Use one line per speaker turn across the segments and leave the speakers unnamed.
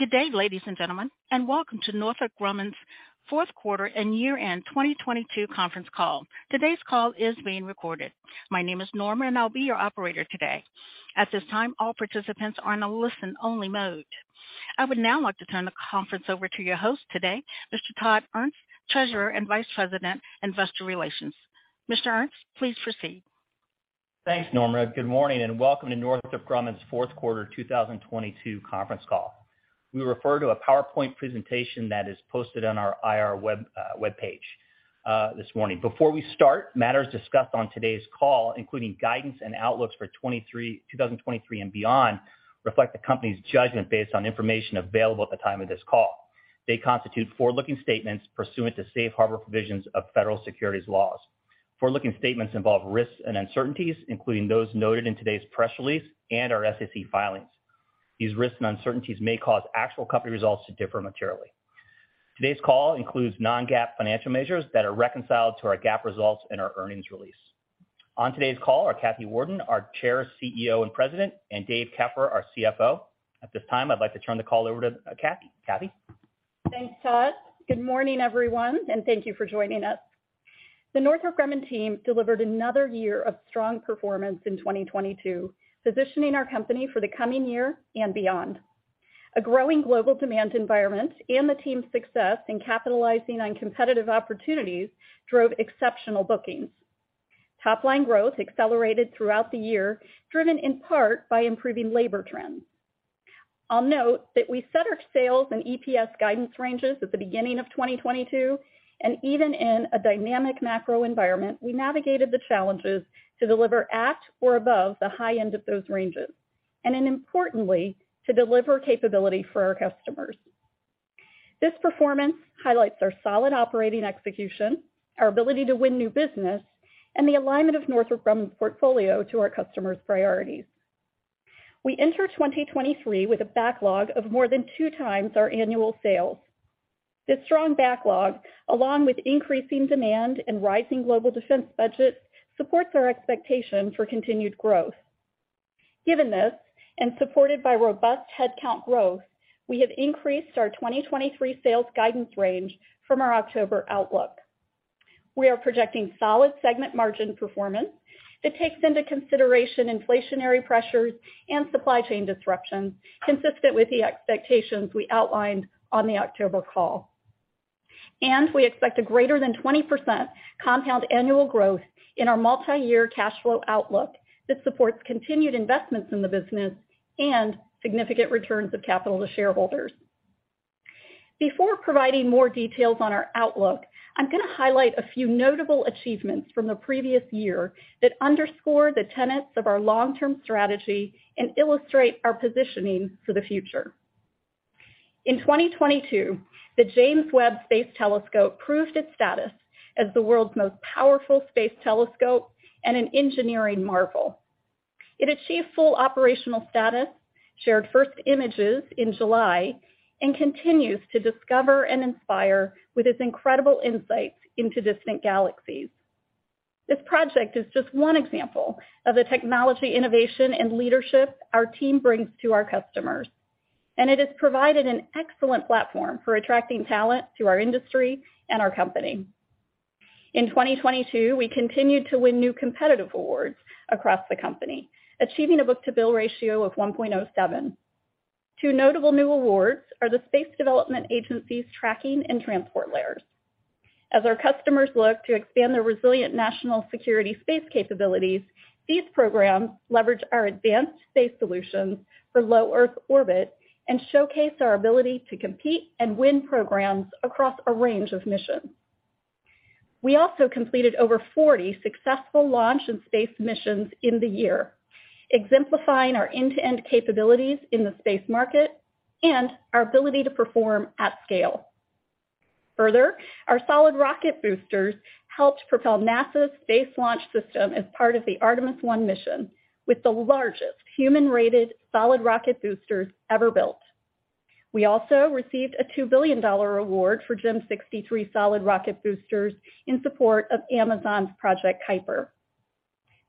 Good day, ladies and gentlemen, and welcome to Northrop Grumman's fourth quarter and year-end 2022 conference call. Today's call is being recorded. My name is Norma, and I'll be your operator today. At this time, all participants are in a listen-only mode. I would now like to turn the conference over to your host today, Mr. Todd Ernst, Treasurer and Vice President, Investor Relations. Mr. Ernst, please proceed.
Thanks, Norma. Good morning and welcome to Northrop Grumman's fourth quarter 2022 conference call. We refer to a PowerPoint presentation that is posted on our IR web page this morning. Before we start, matters discussed on today's call, including guidance and outlooks for 2023 and beyond, reflect the company's judgment based on information available at the time of this call. They constitute forward-looking statements pursuant to safe harbor provisions of federal securities laws. Forward-looking statements involve risks and uncertainties, including those noted in today's press release and our SEC filings. These risks and uncertainties may cause actual company results to differ materially. Today's call includes non-GAAP financial measures that are reconciled to our GAAP results in our earnings release. On today's call are Kathy Warden, our Chair, CEO, and President, and Dave Keffer, our CFO. At this time, I'd like to turn the call over to Kathy?
Thanks, Todd. Good morning, everyone. Thank you for joining us. The Northrop Grumman team delivered another year of strong performance in 2022, positioning our company for the coming year and beyond. A growing global demand environment and the team's success in capitalizing on competitive opportunities drove exceptional bookings. Top-line growth accelerated throughout the year, driven in part by improving labor trends. I'll note that we set our sales and EPS guidance ranges at the beginning of 2022. Even in a dynamic macro environment, we navigated the challenges to deliver at or above the high end of those ranges. Importantly, to deliver capability for our customers. This performance highlights our solid operating execution, our ability to win new business, and the alignment of Northrop Grumman's portfolio to our customers' priorities. We enter 2023 with a backlog of more than two times our annual sales. This strong backlog, along with increasing demand and rising global defense budgets, supports our expectation for continued growth. Given this, supported by robust headcount growth, we have increased our 2023 sales guidance range from our October outlook. We are projecting solid segment margin performance that takes into consideration inflationary pressures and supply chain disruptions consistent with the expectations we outlined on the October call. We expect a greater than 20% compound annual growth in our multi-year cash flow outlook that supports continued investments in the business and significant returns of capital to shareholders. Before providing more details on our outlook, I'm gonna highlight a few notable achievements from the previous year that underscore the tenets of our long-term strategy and illustrate our positioning for the future. In 2022, the James Webb Space Telescope proved its status as the world's most powerful space telescope and an engineering marvel. It achieved full operational status, shared first images in July, and continues to discover and inspire with its incredible insights into distant galaxies. This project is just one example of the technology, innovation, and leadership our team brings to our customers, and it has provided an excellent platform for attracting talent to our industry and our company. In 2022, we continued to win new competitive awards across the company, achieving a book-to-bill ratio of 1.07. Two notable new awards are the Space Development Agency's Tracking and Transport Layers. As our customers look to expand their resilient national security space capabilities, these programs leverage our advanced space solutions for low Earth orbit and showcase our ability to compete and win programs across a range of missions. We also completed over 40 successful launch and space missions in the year, exemplifying our end-to-end capabilities in the space market and our ability to perform at scale. Our solid rocket boosters helped propel NASA's Space Launch System as part of the Artemis I mission with the largest human-rated solid rocket boosters ever built. We also received a $2 billion award for GEM 63 solid rocket boosters in support of Amazon's Project Kuiper.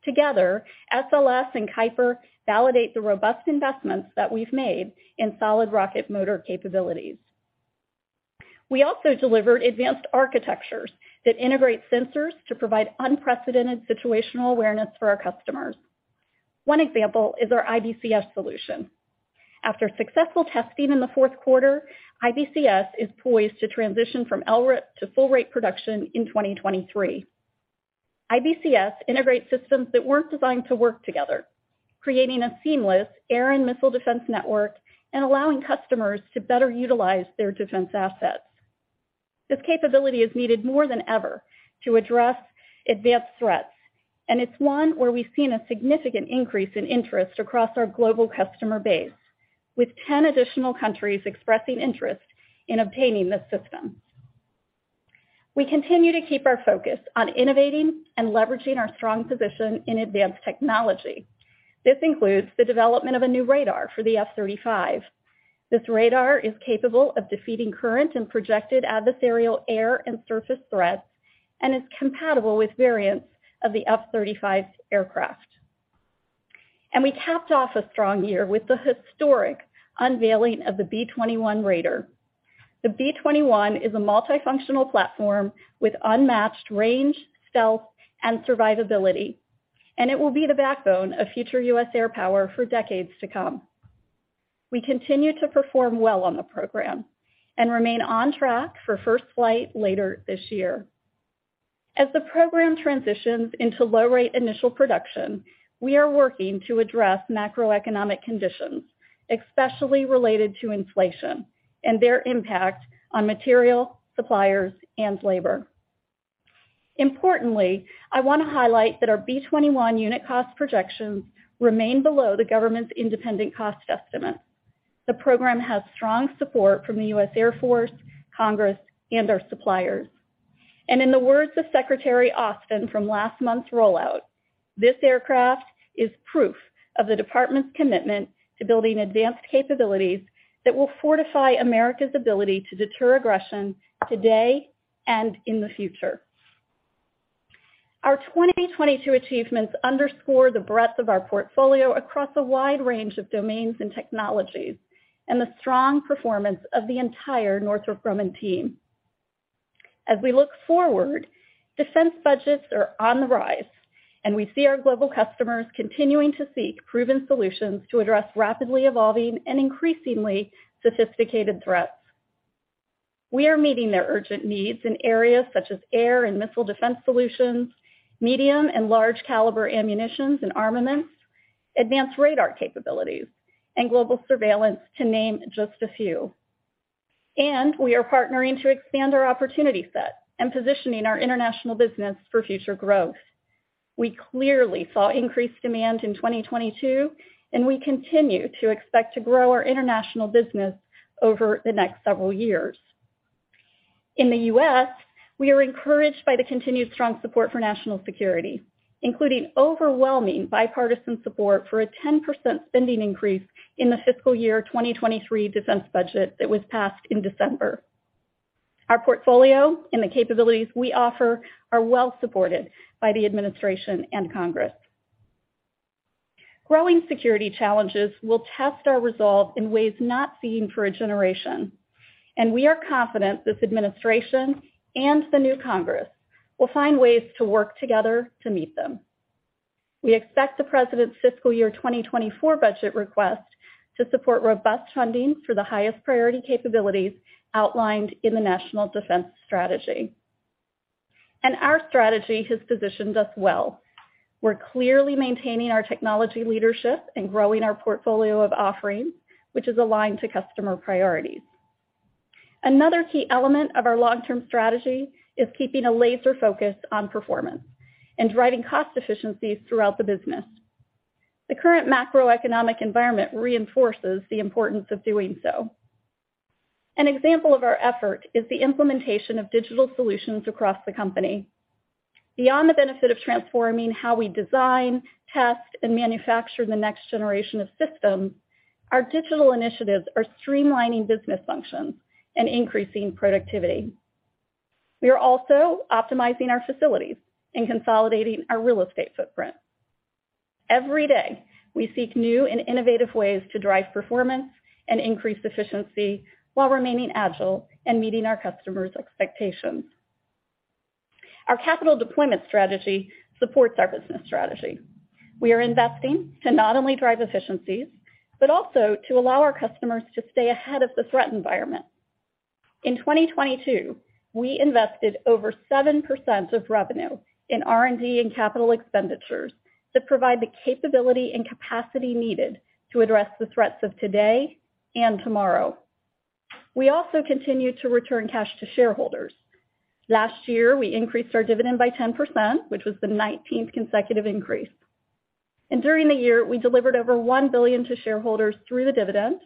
Together, SLS and Kuiper validate the robust investments that we've made in solid rocket motor capabilities. We also delivered advanced architectures that integrate sensors to provide unprecedented situational awareness for our customers. One example is our IBCS solution. After successful testing in the fourth quarter, IBCS is poised to transition from L-rate to full-rate production in 2023. IBCS integrates systems that weren't designed to work together, creating a seamless air and missile defense network and allowing customers to better utilize their defense assets. This capability is needed more than ever to address advanced threats, and it's one where we've seen a significant increase in interest across our global customer base, with 10 additional countries expressing interest in obtaining this system. We continue to keep our focus on innovating and leveraging our strong position in advanced technology. This includes the development of a new radar for the F-35. This radar is capable of defeating current and projected adversarial air and surface threats and is compatible with variants of the F-35 aircraft. We capped off a strong year with the historic unveiling of the B-21 Raider. The B-21 is a multifunctional platform with unmatched range, stealth, and survivability, and it will be the backbone of future U.S. air power for decades to come. We continue to perform well on the program and remain on track for first flight later this year. As the program transitions into Low-Rate Initial Production, we are working to address macroeconomic conditions, especially related to inflation and their impact on material, suppliers, and labor. Importantly, I wanna highlight that our B-21 unit cost projections remain below the government's independent cost estimate. The program has strong support from the U.S. Air Force, Congress, and our suppliers. In the words of Secretary Austin from last month's rollout, "This aircraft is proof of the department's commitment to building advanced capabilities that will fortify America's ability to deter aggression today and in the future." Our 2022 achievements underscore the breadth of our portfolio across a wide range of domains and technologies, and the strong performance of the entire Northrop Grumman team. As we look forward, defense budgets are on the rise, and we see our global customers continuing to seek proven solutions to address rapidly evolving and increasingly sophisticated threats. We are meeting their urgent needs in areas such as air and missile defense solutions, medium and large caliber ammunitions and armaments, advanced radar capabilities, and global surveillance, to name just a few. We are partnering to expand our opportunity set and positioning our international business for future growth. We clearly saw increased demand in 2022, and we continue to expect to grow our international business over the next several years. In the U.S., we are encouraged by the continued strong support for national security, including overwhelming bipartisan support for a 10% spending increase in the fiscal year 2023 defense budget that was passed in December. Our portfolio and the capabilities we offer are well supported by the administration and Congress. Growing security challenges will test our resolve in ways not seen for a generation, and we are confident this administration and the new Congress will find ways to work together to meet them. We expect the president's fiscal year 2024 budget request to support robust funding for the highest priority capabilities outlined in the National Defense Strategy. Our strategy has positioned us well. We're clearly maintaining our technology leadership and growing our portfolio of offerings, which is aligned to customer priorities. Another key element of our long-term strategy is keeping a laser focus on performance and driving cost efficiencies throughout the business. The current macroeconomic environment reinforces the importance of doing so. An example of our effort is the implementation of digital solutions across the company. Beyond the benefit of transforming how we design, test, and manufacture the next generation of systems, our digital initiatives are streamlining business functions and increasing productivity. We are also optimizing our facilities and consolidating our real estate footprint. Every day, we seek new and innovative ways to drive performance and increase efficiency while remaining agile and meeting our customers' expectations. Our capital deployment strategy supports our business strategy. We are investing to not only drive efficiencies, but also to allow our customers to stay ahead of the threat environment. In 2022, we invested over 7% of revenue in R&D and capital expenditures that provide the capability and capacity needed to address the threats of today and tomorrow. We also continue to return cash to shareholders. Last year, we increased our dividend by 10%, which was the 19th consecutive increase. During the year, we delivered over $1 billion to shareholders through the dividend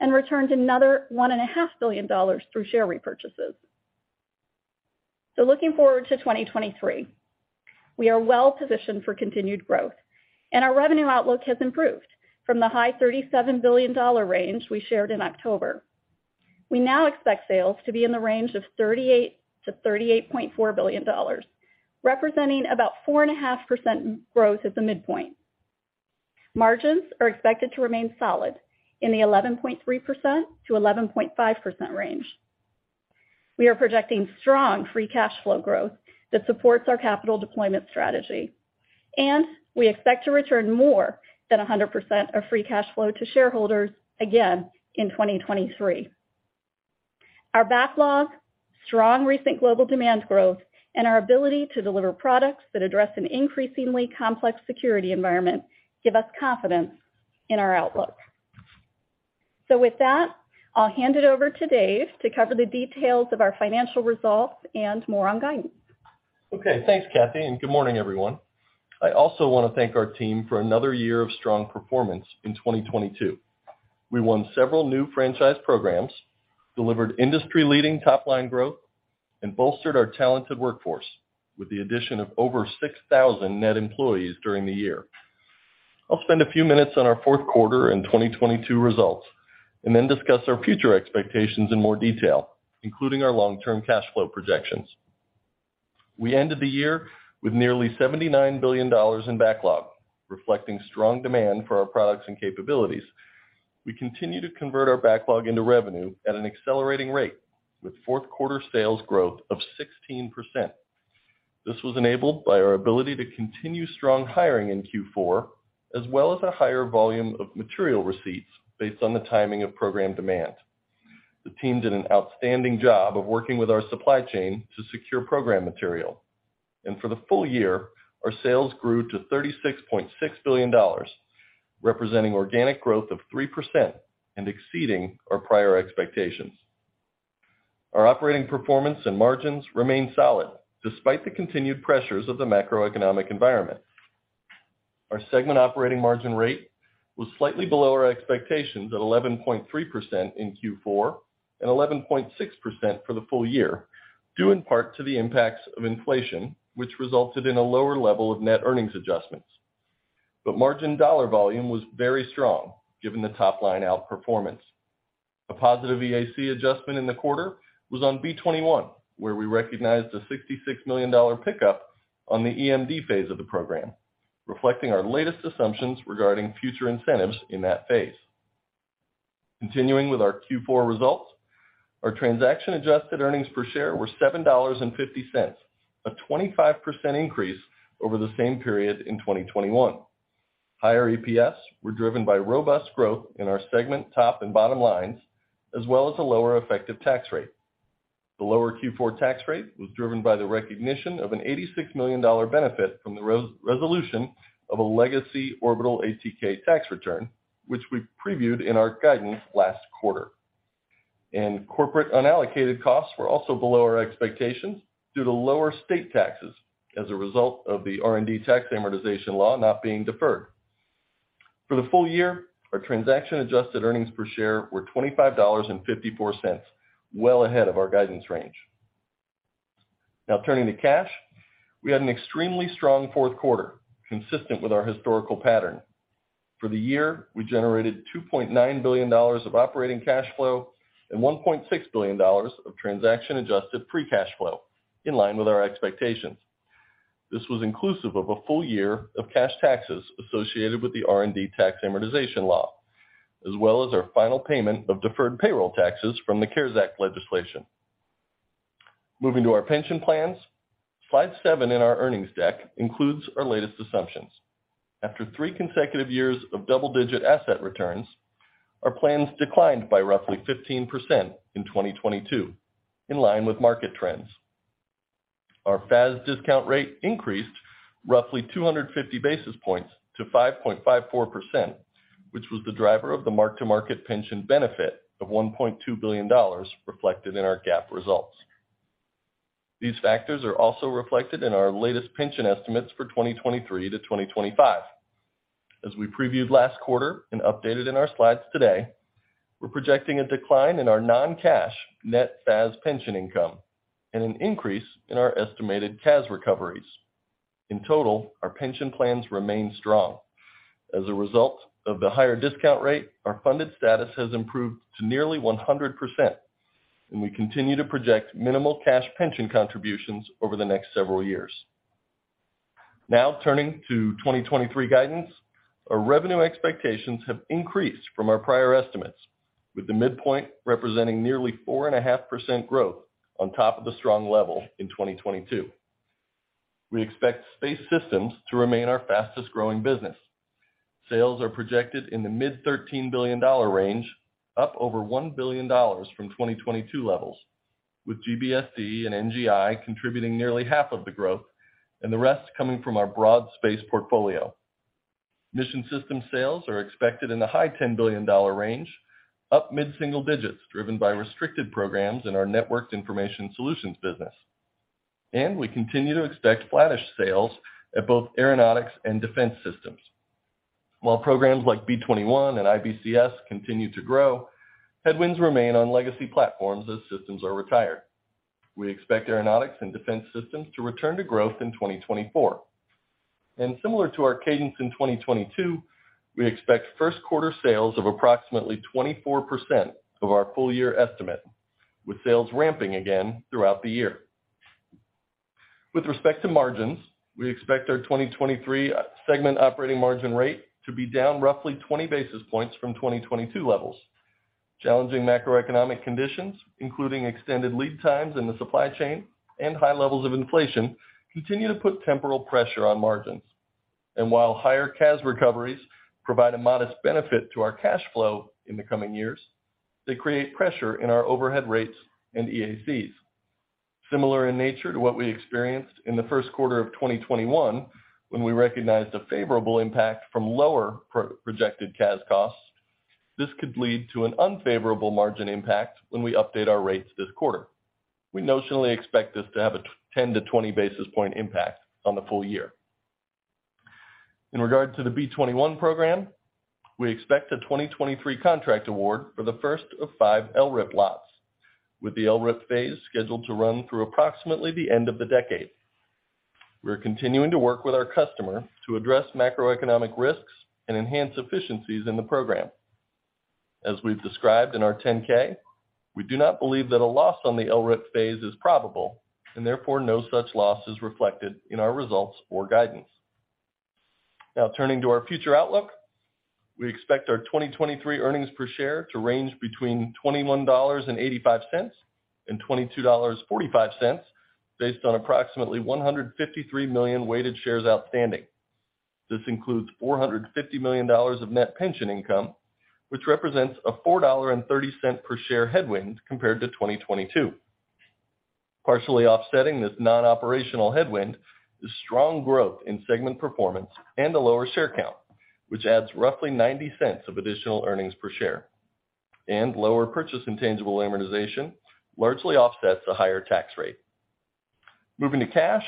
and returned another $1.5 billion through share repurchases. Looking forward to 2023, we are well positioned for continued growth, and our revenue outlook has improved from the high $37 billion range we shared in October. We now expect sales to be in the range of $38 billion-$38.4 billion, representing about 4.5% growth at the midpoint. Margins are expected to remain solid in the 11.3%-11.5% range. We are projecting strong free cash flow growth that supports our capital deployment strategy, and we expect to return more than 100% of free cash flow to shareholders again in 2023. Our backlog, strong recent global demand growth, and our ability to deliver products that address an increasingly complex security environment give us confidence in our outlook. With that, I'll hand it over to Dave to cover the details of our financial results and more on guidance.
Okay. Thanks, Kathy, and good morning, everyone. I also wanna thank our team for another year of strong performance in 2022. We won several new franchise programs, delivered industry-leading top-line growth, and bolstered our talented workforce with the addition of over 6,000 net employees during the year. I'll spend a few minutes on our fourth quarter and 2022 results, and then discuss our future expectations in more detail, including our long-term cash flow projections. We ended the year with nearly $79 billion in backlog, reflecting strong demand for our products and capabilities. We continue to convert our backlog into revenue at an accelerating rate, with fourth-quarter sales growth of 16%. This was enabled by our ability to continue strong hiring in Q4, as well as a higher volume of material receipts based on the timing of program demand. The team did an outstanding job of working with our supply chain to secure program material. For the full year, our sales grew to $36.6 billion, representing organic growth of 3% and exceeding our prior expectations. Our operating performance and margins remain solid despite the continued pressures of the macroeconomic environment. Our segment operating margin rate was slightly below our expectations at 11.3% in Q4 and 11.6% for the full year, due in part to the impacts of inflation, which resulted in a lower level of net earnings adjustments. Margin dollar volume was very strong given the top-line outperformance. A positive EAC adjustment in the quarter was on B-21, where we recognized a $66 million pickup on the EMD phase of the program, reflecting our latest assumptions regarding future incentives in that phase. Continuing with our Q4 results, our transaction-adjusted earnings per share were $7.50, a 25% increase over the same period in 2021. Higher EPS were driven by robust growth in our segment top and bottom lines, as well as a lower effective tax rate. The lower Q4 tax rate was driven by the recognition of an $86 million benefit from the resolution of a legacy Orbital ATK tax return, which we previewed in our guidance last quarter. Corporate unallocated costs were also below our expectations due to lower state taxes as a result of the R&D tax amortization law not being deferred. For the full year, our transaction-adjusted earnings per share were $25.54, well ahead of our guidance range. Turning to cash. We had an extremely strong fourth quarter, consistent with our historical pattern. For the year, we generated $2.9 billion of operating cash flow and $1.6 billion of transaction-adjusted free cash flow, in line with our expectations. This was inclusive of a full year of cash taxes associated with the R&D tax amortization law, as well as our final payment of deferred payroll taxes from the CARES Act legislation. Moving to our pension plans. Slide seven in our earnings deck includes our latest assumptions. After three consecutive years of double-digit asset returns, our plans declined by roughly 15% in 2022, in line with market trends. Our FAS discount rate increased roughly 250 basis points to 5.54%, which was the driver of the Mark-to-market pension benefit of $1.2 billion reflected in our GAAP results. These factors are also reflected in our latest pension estimates for 2023-2025. As we previewed last quarter and updated in our slides today, we're projecting a decline in our non-cash net FAS pension income and an increase in our estimated CAS recoveries. In total, our pension plans remain strong. As a result of the higher discount rate, our funded status has improved to nearly 100%, and we continue to project minimal cash pension contributions over the next several years. Now turning to 2023 guidance. Our revenue expectations have increased from our prior estimates, with the midpoint representing nearly 4.5% growth on top of a strong level in 2022. We expect Space Systems to remain our fastest-growing business. Sales are projected in the mid-$13 billion range, up over $1 billion from 2022 levels, with GBSD and NGI contributing nearly half of the growth and the rest coming from our broad space portfolio. Mission Systems sales are expected in the high $10 billion range, up mid-single digits, driven by restricted programs in our Networked Information Solutions business. We continue to expect flattish sales at both Aeronautics and Defense Systems. While programs like B-21 and IBCS continue to grow, headwinds remain on legacy platforms as systems are retired. We expect Aeronautics and Defense Systems to return to growth in 2024. Similar to our cadence in 2022, we expect first quarter sales of approximately 24% of our full-year estimate, with sales ramping again throughout the year. With respect to margins, we expect our 2023 segment operating margin rate to be down roughly 20 basis points from 2022 levels. Challenging macroeconomic conditions, including extended lead times in the supply chain and high levels of inflation, continue to put temporal pressure on margins. While higher CAS recoveries provide a modest benefit to our cash flow in the coming years, they create pressure in our overhead rates and EACs. Similar in nature to what we experienced in the first quarter of 2021, when we recognized a favorable impact from lower pro-projected CAS costs, this could lead to an unfavorable margin impact when we update our rates this quarter. We notionally expect this to have a 10-20 basis point impact on the full year. In regard to the B-21 program, we expect a 2023 contract award for the first of five LRIP lots, with the LRIP phase scheduled to run through approximately the end of the decade. We are continuing to work with our customer to address macroeconomic risks and enhance efficiencies in the program. As we've described in our 10-K, we do not believe that a loss on the LRIP phase is probable and therefore no such loss is reflected in our results or guidance. Now turning to our future outlook. We expect our 2023 earnings per share to range between $21.85 and $22.45 based on approximately 153 million weighted shares outstanding. This includes $450 million of net pension income, which represents a $4.30 per share headwind compared to 2022. Partially offsetting this non-operational headwind is strong growth in segment performance and a lower share count, which adds roughly $0.90 of additional earnings per share, and lower purchase intangible amortization largely offsets the higher tax rate. Moving to cash,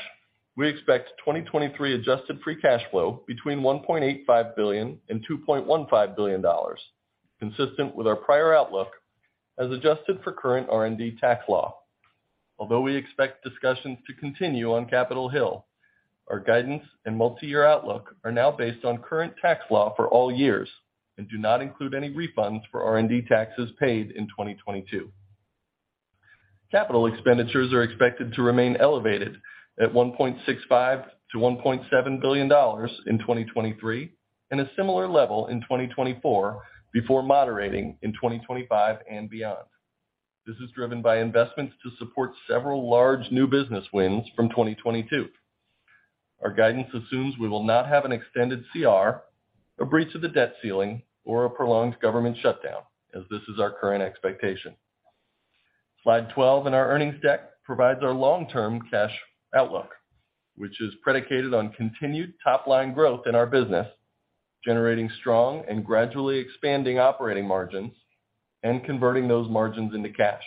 we expect 2023 adjusted free cash flow between $1.85 billion and $2.15 billion, consistent with our prior outlook as adjusted for current R&D tax law. Although we expect discussions to continue on Capitol Hill, our guidance and multi-year outlook are now based on current tax law for all years and do not include any refunds for R&D taxes paid in 2022. Capital expenditures are expected to remain elevated at $1.65 billion-$1.7 billion in 2023 and a similar level in 2024 before moderating in 2025 and beyond. This is driven by investments to support several large new business wins from 2022. Our guidance assumes we will not have an extended CR, a breach of the debt ceiling, or a prolonged government shutdown, as this is our current expectation. Slide 12 in our earnings deck provides our long-term cash outlook, which is predicated on continued top line growth in our business, generating strong and gradually expanding operating margins and converting those margins into cash.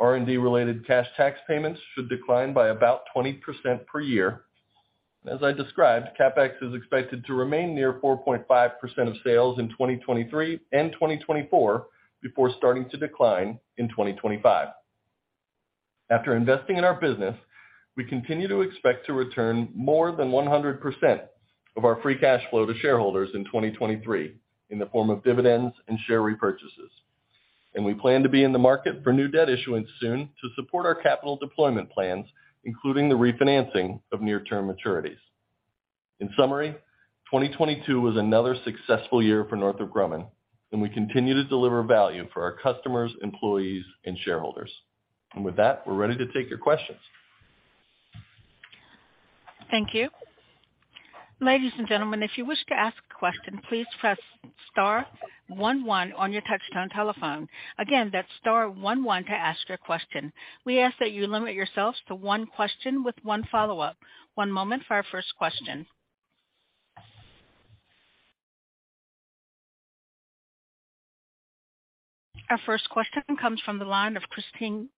R&D related cash tax payments should decline by about 20% per year. As I described, CapEx is expected to remain near 4.5% of sales in 2023 and 2024 before starting to decline in 2025. After investing in our business, we continue to expect to return more than 100% of our free cash flow to shareholders in 2023 in the form of dividends and share repurchases. We plan to be in the market for new debt issuance soon to support our capital deployment plans, including the refinancing of near-term maturities. In summary, 2022 was another successful year for Northrop Grumman, we continue to deliver value for our customers, employees and shareholders. With that, we're ready to take your questions.
Thank you. Ladies and gentlemen, if you wish to ask a question, please press star one one on your touch-tone telephone. Again, that's star 11 to ask your question. We ask that you limit yourselves to one question with one follow-up. One moment for our first question. Our first question comes from the line of Kristine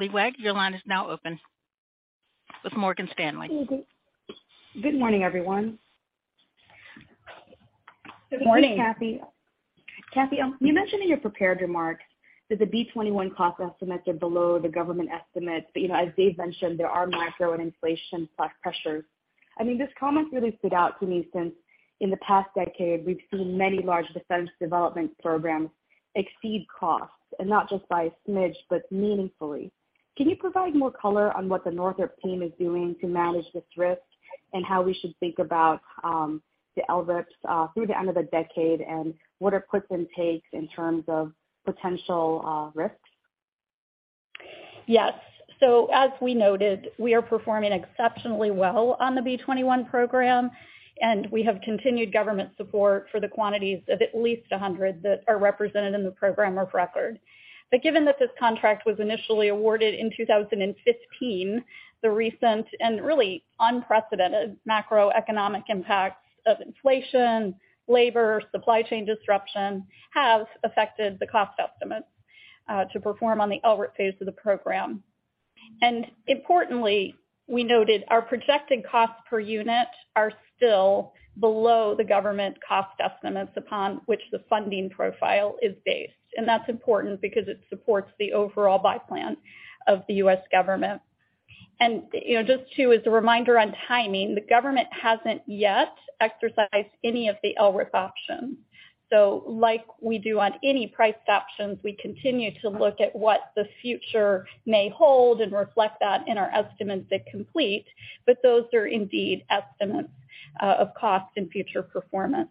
Liwag. Your line is now open with Morgan Stanley.
Good morning, everyone.
Morning.
Kathy, you mentioned in your prepared remarks that the B-21 cost estimates are below the government estimates. As Dave mentioned, there are macro and inflation pressures. I mean, this comment really stood out to me since in the past decade, we've seen many large defense development programs exceed costs, and not just by a smidge, but meaningfully. Can you provide more color on what the Northrop team is doing to manage this risk and how we should think about the LRIPs through the end of the decade and what it puts in takes in terms of potential risks?
As we noted, we are performing exceptionally well on the B-21 program, and we have continued government support for the quantities of at least 100 that are represented in the program of record. Given that this contract was initially awarded in 2015, the recent and really unprecedented macroeconomic impacts of inflation, labor, supply chain disruption have affected the cost estimates to perform on the LRIP phase of the program. Importantly, we noted our projected costs per unit are still below the government cost estimates upon which the funding profile is based. That's important because it supports the overall buy plan of the U.S. government. Just too, as a reminder on timing, the government hasn't yet exercised any of the LRIP options. Like we do on any priced options, we continue to look at what the future may hold and reflect that in our estimates at complete. Those are indeed estimates of cost and future performance.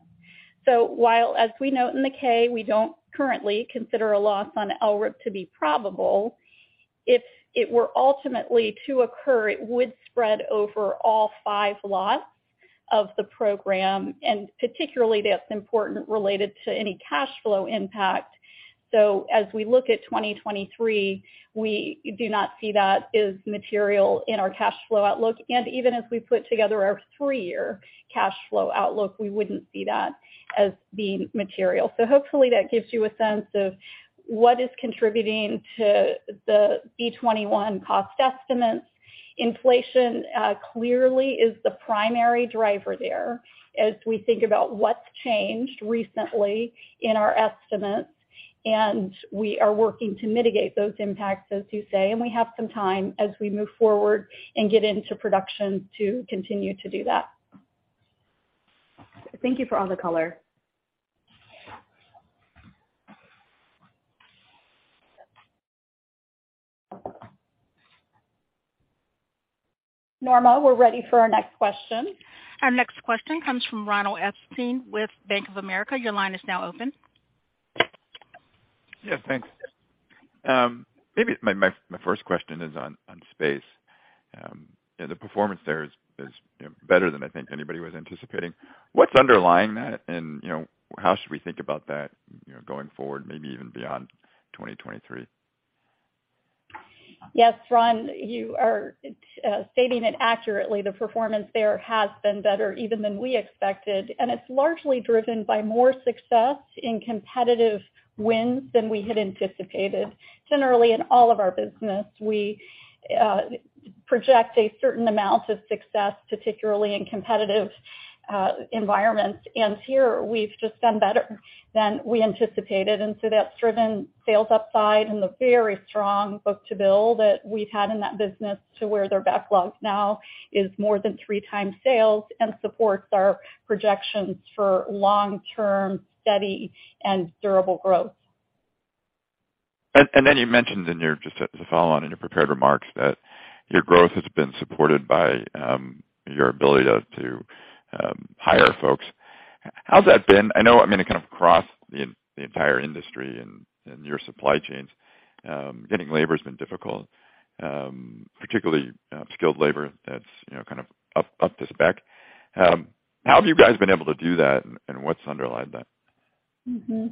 While, as we note in the K, we don't currently consider a loss on LRIP to be probable, if it were ultimately to occur, it would spread over all 5 lots of the program. Particularly that's important related to any cash flow impact. As we look at 2023, we do not see that as material in our cash flow outlook. Even as we put together our three-year cash flow outlook, we wouldn't see that as being material. Hopefully that gives you a sense of what is contributing to the B-21 cost estimates. Inflation clearly is the primary driver there as we think about what's changed recently in our estimates, and we are working to mitigate those impacts, as you say, and we have some time as we move forward and get into production to continue to do that.
Thank you for all the color.
Norma, we're ready for our next question.
Our next question comes from Ronald Epstein with Bank of America. Your line is now open.
Yeah, thanks. Maybe my first question is on space. The performance there is, you know, better than I think anybody was anticipating. What's underlying that? You know, how should we think about that, you know, going forward, maybe even beyond 2023?
Yes, Ron, you are stating it accurately. The performance there has been better even than we expected, and it's largely driven by more success in competitive wins than we had anticipated. Generally, in all of our business, we project a certain amount of success, particularly in competitive environments. Here we've just done better than we anticipated. That's driven sales upside and the very strong book-to-bill that we've had in that business to where their backlog now is more than 3x sales and supports our projections for long-term steady and durable growth.
You mentioned in your just as a follow-on in your prepared remarks, that your growth has been supported by your ability to hire folks. How's that been? I know, I mean, it kind of crossed the entire industry and your supply chains, getting labor has been difficult, particularly skilled labor that's, you know, kind of up to spec. How have you guys been able to do that, and what's underlying that?
Mm-hmm.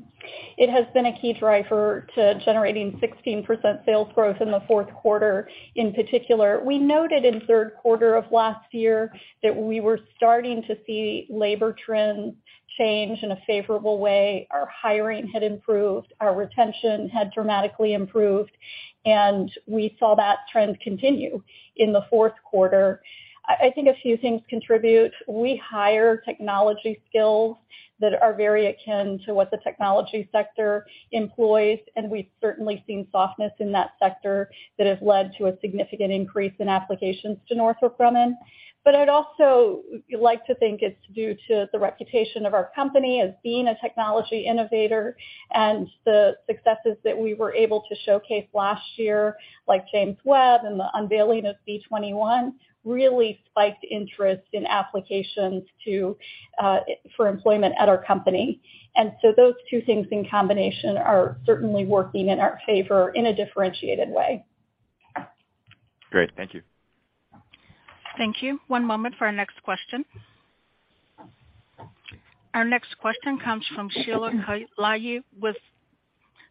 It has been a key driver to generating 16% sales growth in the fourth quarter. In particular, we noted in third quarter of last year that we were starting to see labor trends change in a favorable way. Our hiring had improved, our retention had dramatically improved, and we saw that trend continue in the fourth quarter. I think a few things contribute. We hire technology skills that are very akin to what the technology sector employs, and we've certainly seen softness in that sector that has led to a significant increase in applications to Northrop Grumman. I'd also like to think it's due to the reputation of our company as being a technology innovator and the successes that we were able to showcase last year, like James Webb and the unveiling of B-21, really spiked interest in applications for employment at our company. Those two things in combination are certainly working in our favor in a differentiated way.
Great. Thank you.
Thank you. One moment for our next question. Our next question comes from Sheila Kahyaoglu with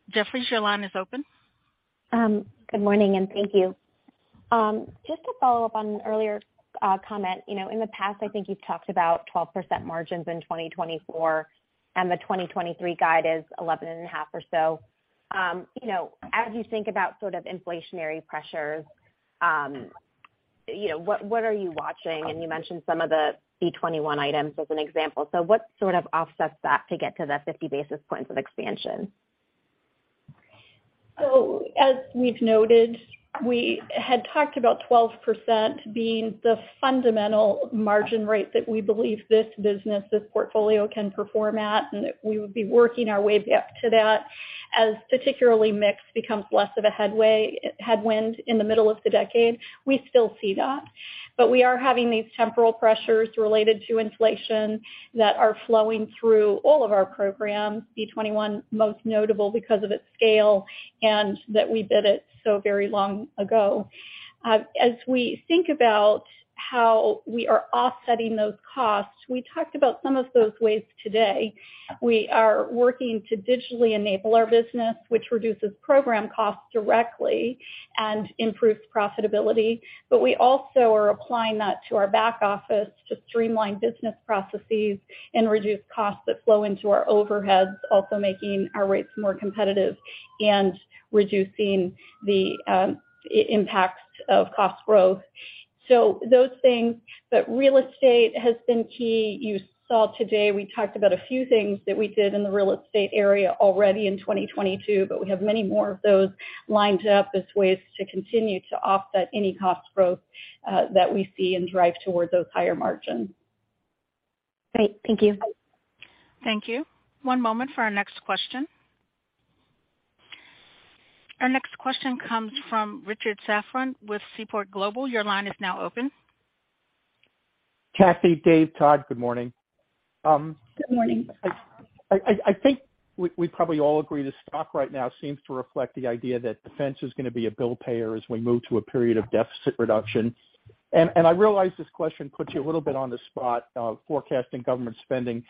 Jefferies. Sheila, your line is open.
Good morning, and thank you. Just to follow up on an earlier comment. You know, in the past, I think you've talked about 12% margins in 2024, and the 2023 guide is 11.5% or so. You know, as you think about sort of inflationary pressures, you know, what are you watching? You mentioned some of the B-21 items as an example. What sort of offsets that to get to the 50 basis points of expansion?
As we've noted, we had talked about 12% being the fundamental margin rate that we believe this business, this portfolio can perform at, and that we would be working our way back to that as particularly mix becomes less of a headwind in the middle of the decade. We still see that. We are having these temporal pressures related to inflation that are flowing through all of our programs, B-21 most notable because of its scale and that we bid it so very long ago. As we think about how we are offsetting those costs, we talked about some of those ways today. We are working to digitally enable our business, which reduces program costs directly and improves profitability. We also are applying that to our back office to streamline business processes and reduce costs that flow into our overheads, also making our rates more competitive and reducing the impact of cost growth. Those things, but real estate has been key. You saw today, we talked about a few things that we did in the real estate area already in 2022, but we have many more of those lined up as ways to continue to offset any cost growth that we see and drive towards those higher margins.
Great. Thank you.
Thank you. One moment for our next question. Our next question comes from Richard Safran with Seaport Global. Your line is now open.
Kathy, Dave, Todd, good morning.
Good morning.
I think we probably all agree the stock right now seems to reflect the idea that defense is gonna be a bill payer as we move to a period of deficit reduction. I realize this question puts you a little bit on the spot, forecasting government spending,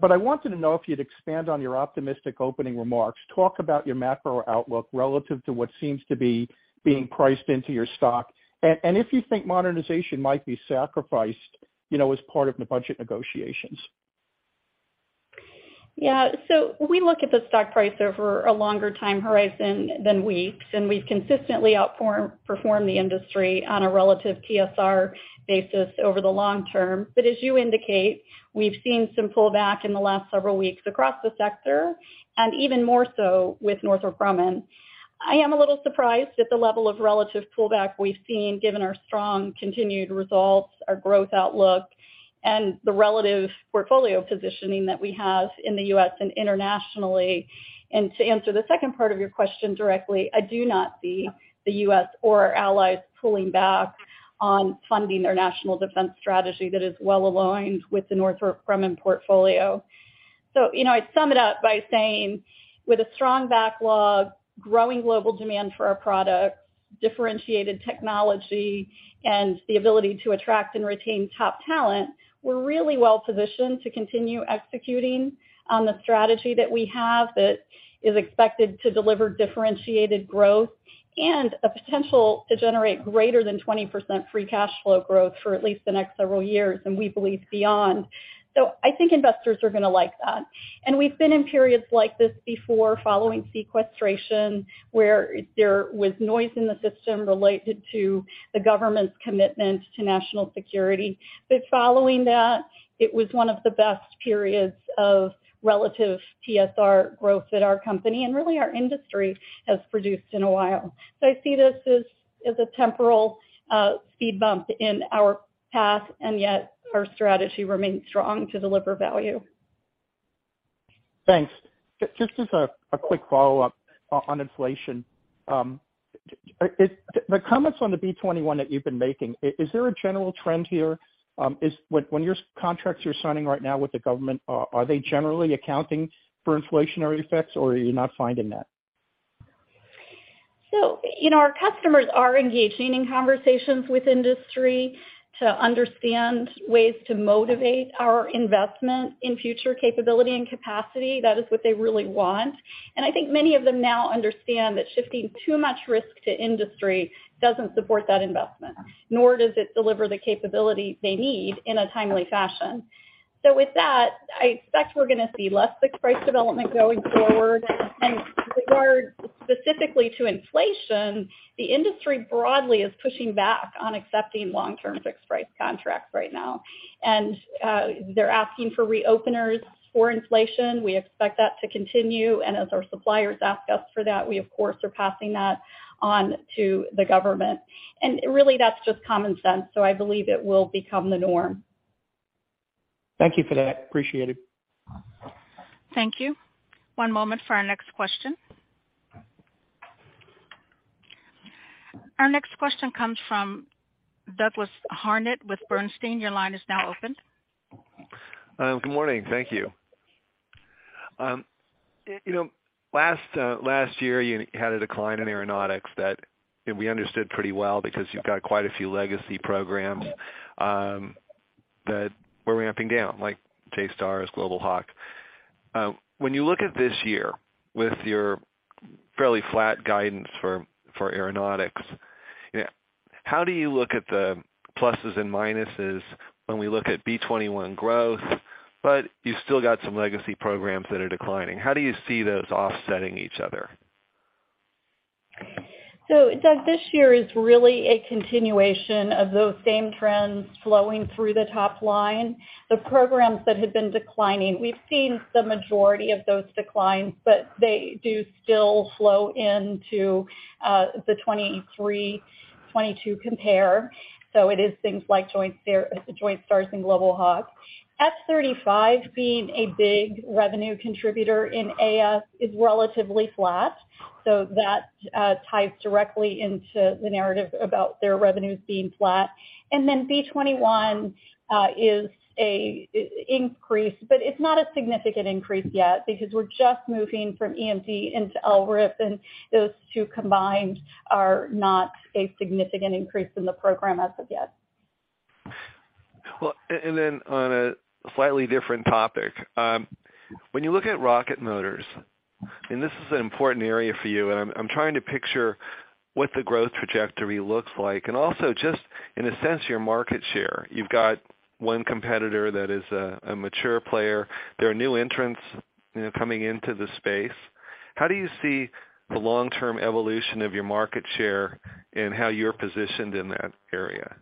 but I wanted to know if you'd expand on your optimistic opening remarks. Talk about your macro outlook relative to what seems to be being priced into your stock, and if you think modernization might be sacrificed, you know, as part of the budget negotiations.
Yeah. We look at the stock price over a longer time horizon than weeks, and we've consistently outperformed the industry on a relative TSR basis over the long term. As you indicate, we've seen some pullback in the last several weeks across the sector and even more so with Northrop Grumman. I am a little surprised at the level of relative pullback we've seen given our strong continued results, our growth outlook, and the relative portfolio positioning that we have in the U.S. and internationally. To answer the second part of your question directly, I do not see the U.S. or our allies pulling back on funding their National Defense Strategy that is well aligned with the Northrop Grumman portfolio. You know, I'd sum it up by saying with a strong backlog, growing global demand for our products, differentiated technology, and the ability to attract and retain top talent, we're really well-positioned to continue executing on the strategy that we have that is expected to deliver differentiated growth and a potential to generate greater than 20% free cash flow growth for at least the next several years, and we believe beyond. I think investors are gonna like that. We've been in periods like this before following sequestration, where there was noise in the system related to the government's commitment to national security. Following that, it was one of the best periods of relative TSR growth at our company, and really our industry has produced in a while. I see this as a temporal, speed bump in our path, and yet our strategy remains strong to deliver value.
Thanks. Just as a quick follow-up on inflation. The comments on the B-21 that you've been making, is there a general trend here? Is when your contracts you're signing right now with the government, are they generally accounting for inflationary effects or are you not finding that?
you know, our customers are engaging in conversations with industry to understand ways to motivate our investment in future capability and capacity. That is what they really want. I think many of them now understand that shifting too much risk to industry doesn't support that investment, nor does it deliver the capability they need in a timely fashion. With that, I expect we're gonna see less fixed-price development going forward. With regard specifically to inflation, the industry broadly is pushing back on accepting long-term fixed-price contracts right now. They're asking for reopeners for inflation. We expect that to continue. As our suppliers ask us for that, we of course are passing that on to the government. Really, that's just common sense. I believe it will become the norm.
Thank you for that. Appreciate it.
Thank you. One moment for our next question. Our next question comes from Douglas Harned with Bernstein. Your line is now open.
Good morning. Thank you. You know, last year, you had a decline in Aeronautics that, you know, we understood pretty well because you've got quite a few legacy programs that were ramping down, like Joint STARS, Global Hawk. When you look at this year with your fairly flat guidance for Aeronautics, how do you look at the pluses and minuses when we look at B-21 growth, but you still got some legacy programs that are declining? How do you see those offsetting each other?
Doug, this year is really a continuation of those same trends flowing through the top line. The programs that have been declining, we've seen the majority of those declines, but they do still flow into the 2023, 2022 compare. It is things like Joint STARS and Global Hawk. F-35 being a big revenue contributor in AS is relatively flat, so that ties directly into the narrative about their revenues being flat. B-21 is a increase, but it's not a significant increase yet because we're just moving from EMD into LRIP, and those two combined are not a significant increase in the program as of yet.
Well, and then on a slightly different topic, when you look at rocket motors, and this is an important area for you, I'm trying to picture what the growth trajectory looks like. Also just in a sense, your market share. You've got one competitor that is a mature player. There are new entrants, you know, coming into the space. How do you see the long-term evolution of your market share and how you're positioned in that area?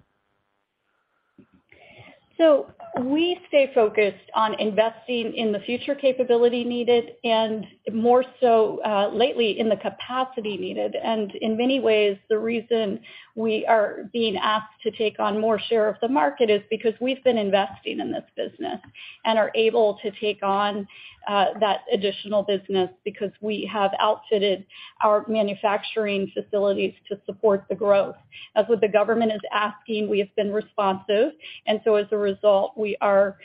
We stay focused on investing in the future capability needed and more so, lately in the capacity needed. In many ways, the reason we are being asked to take on more share of the market is because we've been investing in this business and are able to take on that additional business because we have outfitted our manufacturing facilities to support the growth. As what the government is asking, we have been responsive. As a result, we are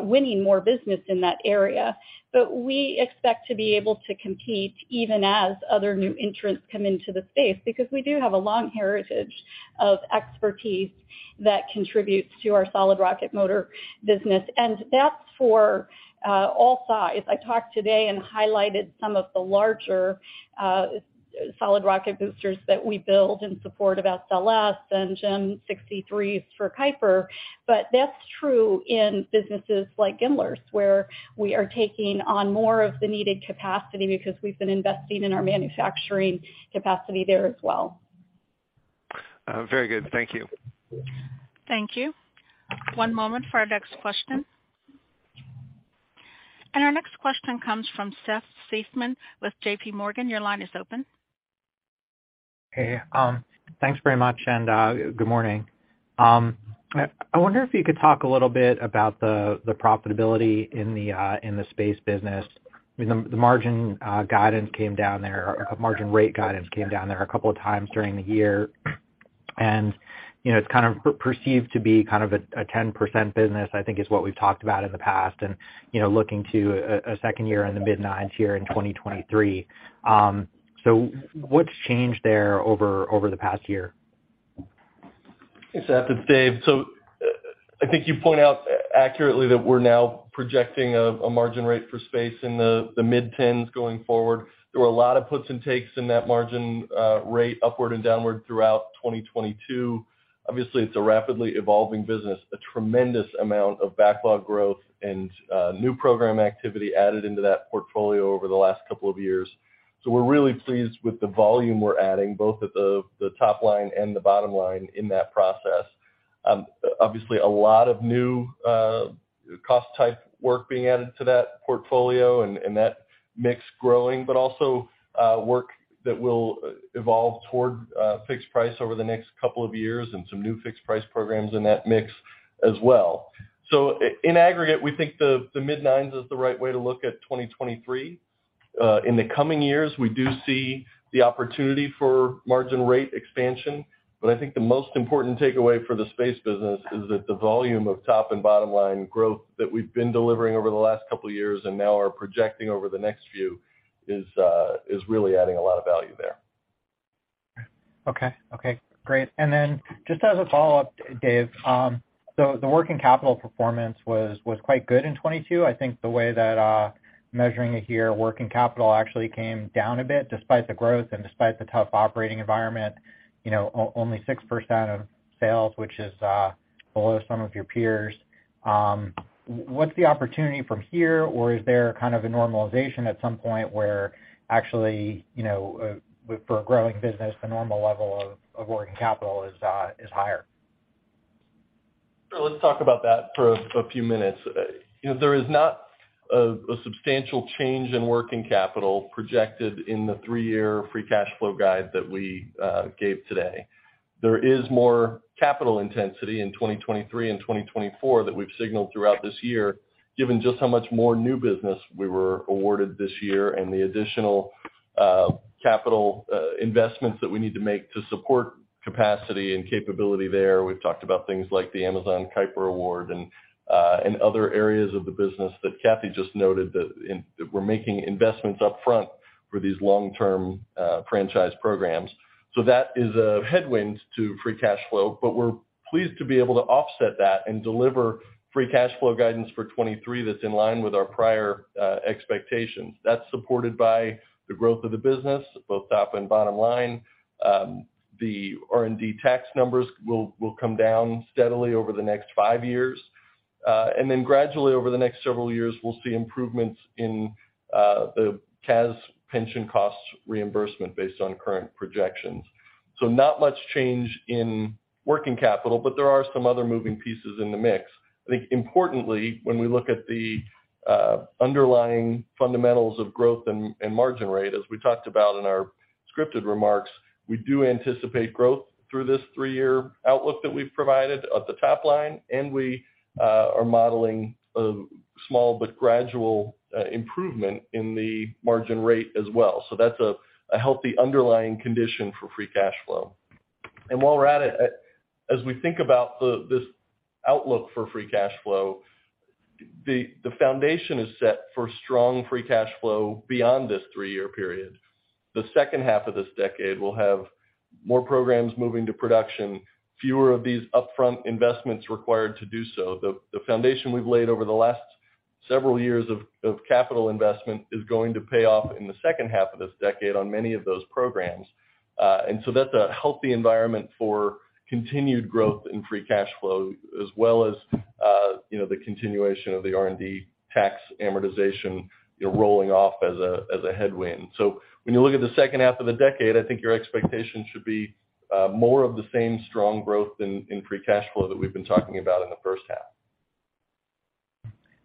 winning more business in that area. We expect to be able to compete even as other new entrants come into the space because we do have a long heritage of expertise that contributes to our solid rocket motor business. That's for all size. I talked today and highlighted some of the larger, solid rocket boosters that we build in support of SLS and GEM 63s for Project Kuiper. That's true in businesses like GMLRS, where we are taking on more of the needed capacity because we've been investing in our manufacturing capacity there as well.
Very good. Thank you.
Thank you. One moment for our next question. Our next question comes from Seth Seifman with JPMorgan. Your line is open.
Hey, thanks very much, good morning. I wonder if you could talk a little bit about the profitability in the space business. I mean, the margin guidance came down there, margin rate guidance came down there a couple of times during the year. You know, it's kind of perceived to be kind of a 10% business, I think, is what we've talked about in the past. You know, looking to a second year in the mid-90s here in 2023. What's changed there over the past year?
Hey, Seth, it's Dave. I think you point out accurately that we're now projecting a margin rate for space in the mid-tens going forward. There were a lot of puts and takes in that margin rate upward and downward throughout 2022. Obviously, it's a rapidly evolving business, a tremendous amount of backlog growth and new program activity added into that portfolio over the last couple of years. We're really pleased with the volume we're adding both at the top line and the bottom line in that process. Obviously a lot of new cost type work being added to that portfolio and that mix growing, but also work that will evolve toward fixed price over the next couple of years and some new fixed price programs in that mix as well. In aggregate, we think the mid-90s is the right way to look at 2023. In the coming years, we do see the opportunity for margin rate expansion. I think the most important takeaway for the space business is that the volume of top and bottom line growth that we've been delivering over the last couple years and now are projecting over the next few is really adding a lot of value there.
Okay, great. Just as a follow-up, Dave, the working capital performance was quite good in 2022. I think the way that measuring it here, working capital actually came down a bit despite the growth and despite the tough operating environment, you know, only 6% of sales, which is below some of your peers. What's the opportunity from here? Or is there kind of a normalization at some point where actually, you know, for a growing business, the normal level of working capital is higher?
Let's talk about that for a few minutes. You know, there is not a substantial change in working capital projected in the three-year free cash flow guide that we gave today. There is more capital intensity in 2023 and 2024 that we've signaled throughout this year, given just how much more new business we were awarded this year and the additional capital investments that we need to make to support capacity and capability there. We've talked about things like the Amazon Kuiper award and other areas of the business that Kathy just noted that we're making investments up front for these long-term franchise programs. That is a headwind to free cash flow, but we're pleased to be able to offset that and deliver free cash flow guidance for 2023 that's in line with our prior expectations. That's supported by the growth of the business, both top and bottom line. The R&D tax numbers will come down steadily over the next five years. Gradually over the next several years, we'll see improvements in the CAS pension cost reimbursement based on current projections. Not much change in working capital, but there are some other moving pieces in the mix. I think importantly, when we look at the underlying fundamentals of growth and margin rate, as we talked about in our scripted remarks, we do anticipate growth through this three-year outlook that we've provided at the top line, and we are modeling a small but gradual improvement in the margin rate as well. That's a healthy underlying condition for free cash flow. While we're at it, as we think about this outlook for free cash flow, the foundation is set for strong free cash flow beyond this three-year period. The second half of this decade will have more programs moving to production, fewer of these upfront investments required to do so. The foundation we've laid over the last several years of capital investment is going to pay off in the second half of this decade on many of those programs. So that's a healthy environment for continued growth in free cash flow as well as, you know, the continuation of the R&D tax amortization, you know, rolling off as a headwind. When you look at the second half of the decade, I think your expectations should be more of the same strong growth in free cash flow that we've been talking about in the first half.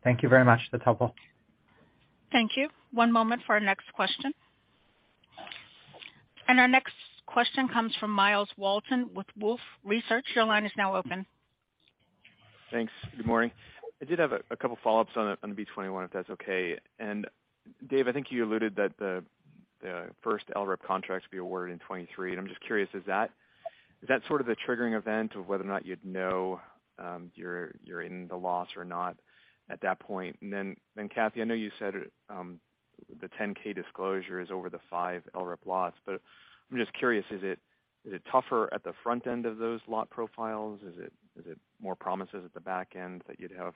Thank you very much. That's helpful.
Thank you. One moment for our next question. Our next question comes from Myles Walton with Wolfe Research. Your line is now open.
Thanks. Good morning. I did have a couple follow-ups on the B-21, if that's okay. Dave, I think you alluded that the first LRIP contracts will be awarded in 2023. I'm just curious, is that sort of the triggering event of whether or not you'd know you're in the loss or not at that point? Kathy, I know you said the 10-K disclosure is over the five LRIP lots, but I'm just curious, is it tougher at the front end of those lot profiles? Is it more promises at the back end that you'd have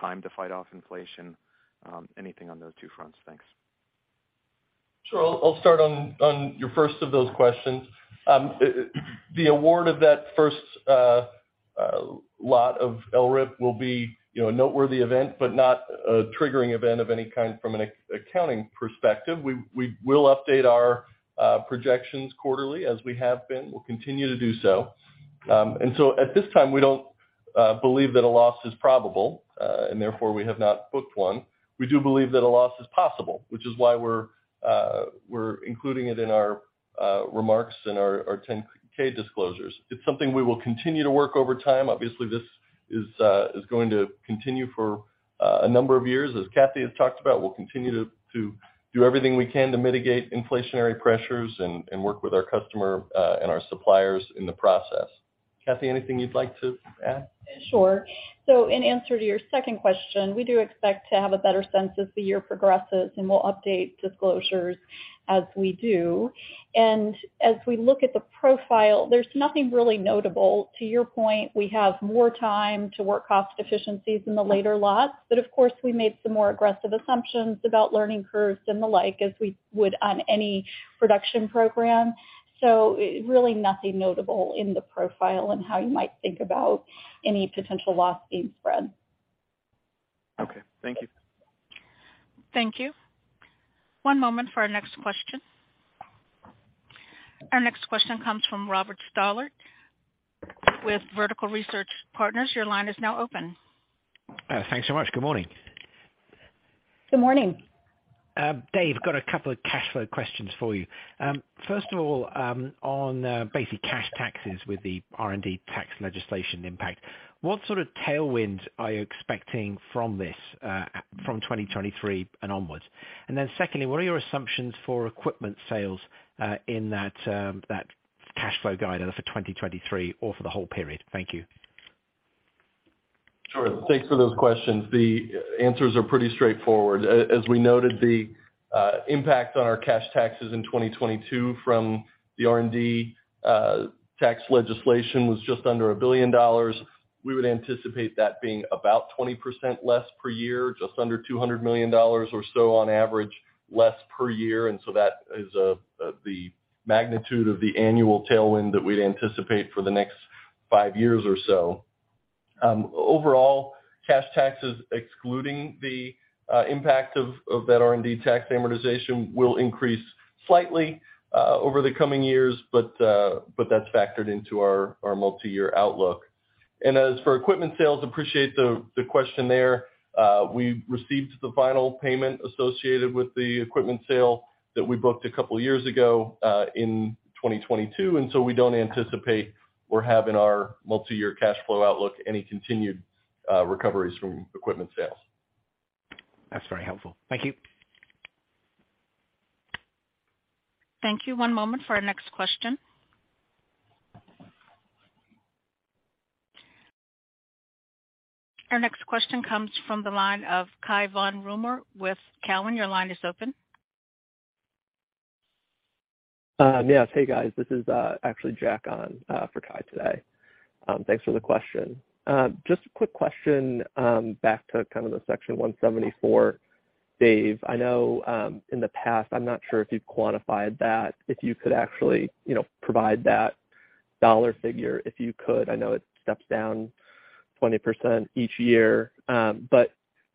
time to fight off inflation? Anything on those two fronts? Thanks.
Sure. I'll start on your first of those questions. The award of that first lot of LRIP will be, you know, a noteworthy event, but not a triggering event of any kind from an accounting perspective. We will update our projections quarterly as we have been. We'll continue to do so. At this time, we don't believe that a loss is probable, and therefore we have not booked one. We do believe that a loss is possible, which is why we're including it in our remarks and our 10-K disclosures. It's something we will continue to work over time. Obviously, this is going to continue for a number of years. As Kathy has talked about, we'll continue to do everything we can to mitigate inflationary pressures and work with our customer and our suppliers in the process. Kathy, anything you'd like to add?
Sure. In answer to your second question, we do expect to have a better sense as the year progresses, and we'll update disclosures as we do. As we look at the profile, there's nothing really notable. To your point, we have more time to work cost efficiencies in the later lots. Of course, we made some more aggressive assumptions about learning curves and the like, as we would on any production program. Really nothing notable in the profile and how you might think about any potential loss being spread.
Okay, thank you.
Thank you. One moment for our next question. Our next question comes from Robert Stallard with Vertical Research Partners. Your line is now open.
Thanks so much. Good morning.
Good morning.
Dave, got a couple of cash flow questions for you. First of all, on basic cash taxes with the R&D tax legislation impact, what sort of tailwind are you expecting from this from 2023 and onwards? Secondly, what are your assumptions for equipment sales in that cash flow guidance for 2023 or for the whole period? Thank you.
Sure. Thanks for those questions. The answers are pretty straightforward. As we noted, the impact on our cash taxes in 2022 from the R&D tax legislation was just under $1 billion. We would anticipate that being about 20% less per year, just under $200 million or so on average, less per year. That is the magnitude of the annual tailwind that we'd anticipate for the next five years or so. Overall, cash taxes, excluding the impact of that R&D tax amortization will increase slightly over the coming years, but that's factored into our multi-year outlook. As for equipment sales, appreciate the question there. We received the final payment associated with the equipment sale that we booked a couple years ago, in 2022, and so we don't anticipate or have in our multi-year cash flow outlook any continued recoveries from equipment sales.
That's very helpful. Thank you.
Thank you. One moment for our next question. Our next question comes from the line of Cai von Rumohr with Cowen. Your line is open.
Yes. Hey, guys. This is actually Jack on for Cai today. Thanks for the question. Just a quick question back to kind of the Section 174, Dave. I know in the past, I'm not sure if you've quantified that, if you could actually, you know, provide that dollar figure, if you could. I know it steps down 20% each year.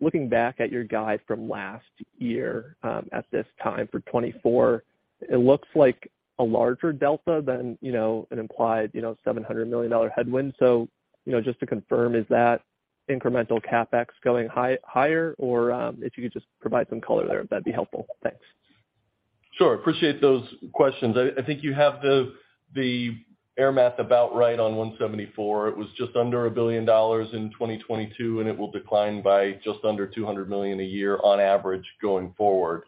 Looking back at your guide from last year at this time for 2024, it looks like a larger delta than, you know, an implied, you know, $700 million headwind. You know, just to confirm, is that incremental CapEx going higher? If you could just provide some color there, that'd be helpful. Thanks.
Sure. Appreciate those questions. I think you have the air math about right on 174. It was just under $1 billion in 2022, and it will decline by just under $200 million a year on average going forward.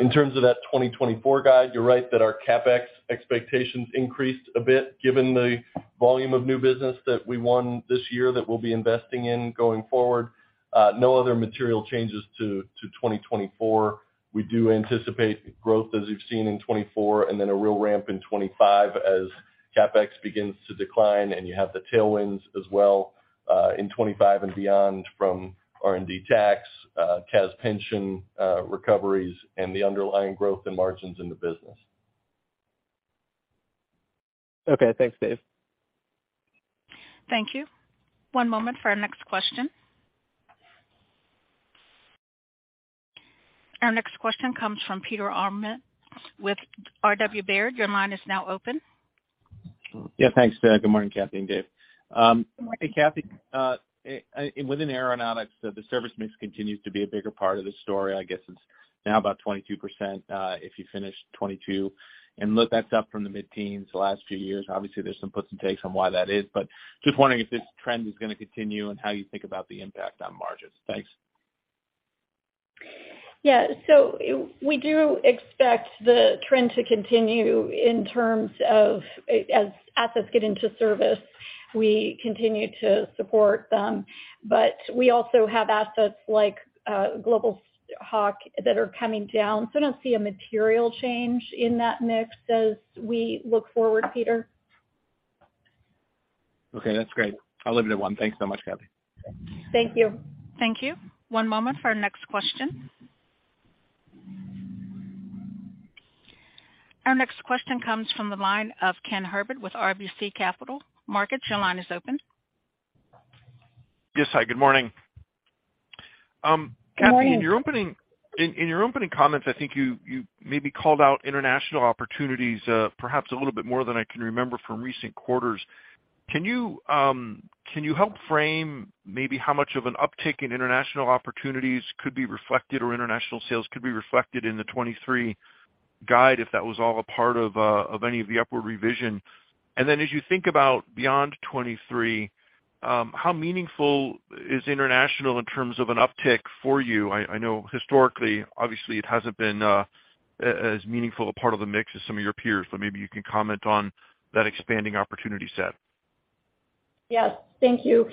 In terms of that 2024 guide, you're right that our CapEx expectations increased a bit given the volume of new business that we won this year that we'll be investing in going forward. No other material changes to 2024. We do anticipate growth as you've seen in 2024 and then a real ramp in 2025 as CapEx begins to decline and you have the tailwinds as well in 2025 and beyond from R&D tax, CAS pension, recoveries and the underlying growth in margins in the business.
Okay, thanks, Dave.
Thank you. One moment for our next question. Our next question comes from Peter Arment with RW Baird. Your line is now open.
Yeah, thanks. Good morning, Kathy and Dave.
Good morning.
Kathy, within Aeronautics, the service mix continues to be a bigger part of the story. I guess it's now about 22%, if you finish 22%. That's up from the mid-teens the last few years. Obviously, there's some puts and takes on why that is. Just wondering if this trend is gonna continue and how you think about the impact on margins. Thanks.
Yeah. We do expect the trend to continue in terms of as assets get into service, we continue to support them. We also have assets like Global Hawk that are coming down. I don't see a material change in that mix as we look forward, Peter.
Okay, that's great. I'll leave it at one. Thanks so much, Kathy.
Thank you.
Thank you. One moment for our next question. Our next question comes from the line of Ken Herbert with RBC Capital Markets. Your line is open.
Yes, hi, good morning. Kathy, in your opening, in your opening comments, I think you maybe called out international opportunities, perhaps a little bit more than I can remember from recent quarters. Can you help frame maybe how much of an uptick in international opportunities could be reflected or international sales could be reflected in the 2023 guide, if that was all a part of any of the upward revision? As you think about beyond 2023, how meaningful is international in terms of an uptick for you? I know historically, obviously it hasn't been as meaningful a part of the mix as some of your peers, so maybe you can comment on that expanding opportunity set.
Yes. Thank you.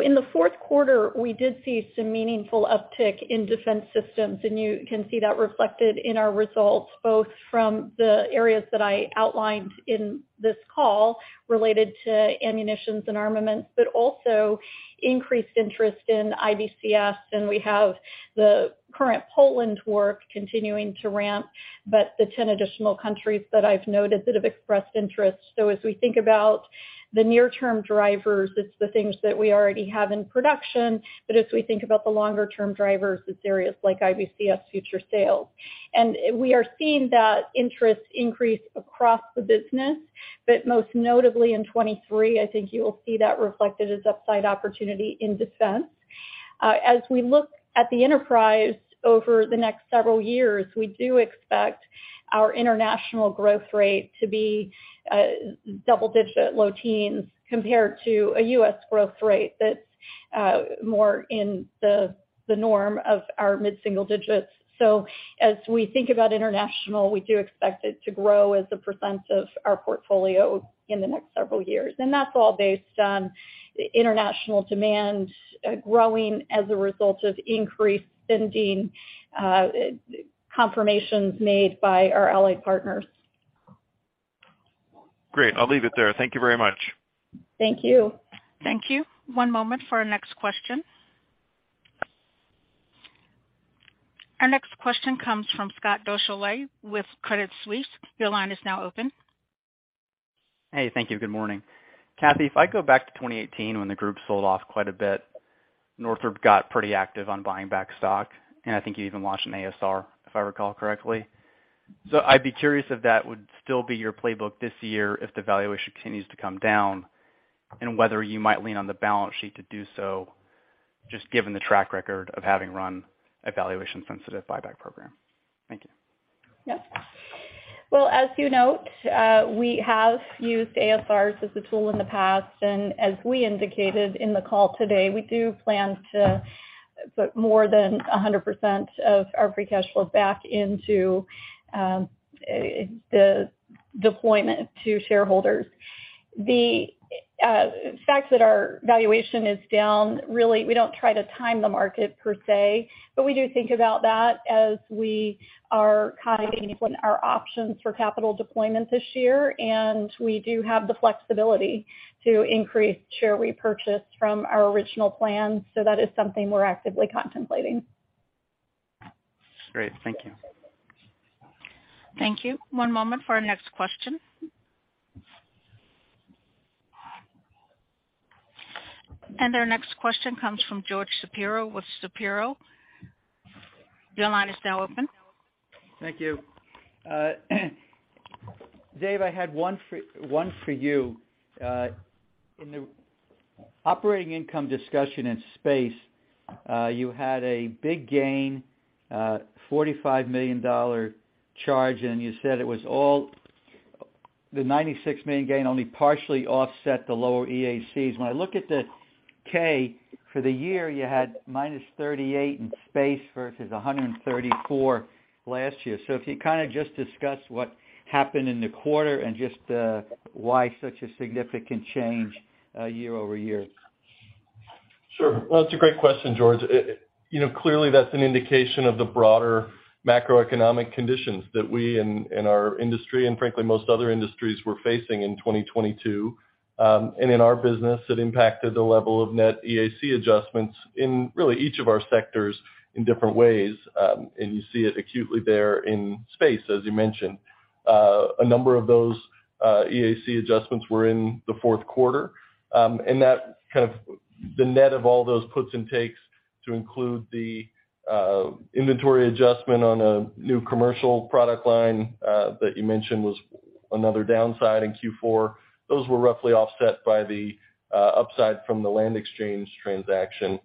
In the fourth quarter, we did see some meaningful uptick in Defense Systems, and you can see that reflected in our results, both from the areas that I outlined in this call related to ammunitions and armaments, but also increased interest in IBCS. We have the current Poland work continuing to ramp, but the 10 additional countries that I've noted that have expressed interest. As we think about the near-term drivers, it's the things that we already have in production. As we think about the longer term drivers, it's areas like IBCS future sales. We are seeing that interest increase across the business, but most notably in 2023, I think you'll see that reflected as upside opportunity in defense. As we look at the enterprise over the next several years, we do expect our international growth rate to be double-digit low teens compared to a U.S. growth rate that's more in the norm of our mid-single digits. As we think about international, we do expect it to grow as a % of our portfolio in the next several years. That's all based on international demand growing as a result of increased spending confirmations made by our ally partners.
Great. I'll leave it there. Thank you very much.
Thank you.
Thank you. One moment for our next question. Our next question comes from Scott Deuschle with Credit Suisse. Your line is now open.
Hey, thank you. Good morning. Kathy, if I go back to 2018 when the group sold off quite a bit, Northrop got pretty active on buying back stock, and I think you even launched an ASR, if I recall correctly. I'd be curious if that would still be your playbook this year if the valuation continues to come down, and whether you might lean on the balance sheet to do so, just given the track record of having run a valuation-sensitive buyback program. Thank you.
Yep. Well, as you note, we have used ASRs as a tool in the past. As we indicated in the call today, we do plan to put more than 100% of our free cash flow back into the deployment to shareholders. The fact that our valuation is down, really, we don't try to time the market per se, but we do think about that as we are kind of inputting our options for capital deployment this year, and we do have the flexibility to increase share repurchase from our original plan. That is something we're actively contemplating.
Great. Thank you.
Thank you. One moment for our next question. Our next question comes from George Shapiro with Shapiro. Your line is now open.
Thank you. Dave, I had one for you. In the operating income discussion in space, you had a big gain, $45 million charge and you said the $96 million gain only partially offset the lower EACs. When I look at the K, for the year you had -$38 million in space versus $134 million last year. If you kinda just discuss what happened in the quarter and just, why such a significant change year-over-year.
Sure. Well, it's a great question, George. It you know, clearly that's an indication of the broader macroeconomic conditions that we and our industry and frankly most other industries were facing in 2022. In our business it impacted the level of net EAC adjustments in really each of our sectors in different ways. And you see it acutely there in Space, as you mentioned. A number of those EAC adjustments were in the fourth quarter. And that kind of the net of all those puts and takes to include the inventory adjustment on a new commercial product line, that you mentioned was another downside in Q4. Those were roughly offset by the upside from the land exchange transaction